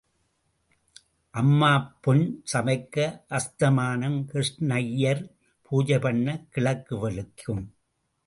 அம்மாப் பெண் சமைக்க அஸ்தமனம் கிருஷ்ணையர் பூஜை பண்ணக் கிழக்கு வெளுக்கும்.